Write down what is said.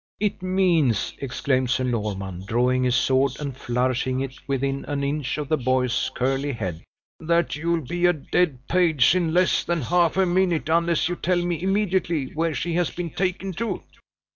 "It means," exclaimed Sir Norman, drawing his sword, and flourishing it within an inch of the boy's curly head, "that you'll be a dead page in less than half a minute, unless you tell me immediately where she has been taken to."